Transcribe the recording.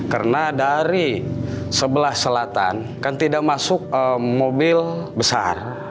karena dari sebelah selatan kan tidak masuk mobil besar